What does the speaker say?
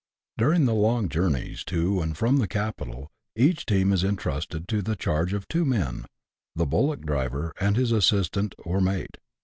During the long journeys to and from the capital, each team is entrusted to the charge of two men — the bullock driver and his assistant, or " mate."